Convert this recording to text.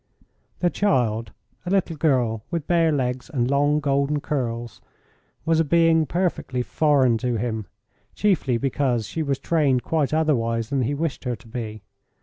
The child, a little girl with bare legs and long golden curls, was a being perfectly foreign to him, chiefly because she was trained quite otherwise than he wished her to be.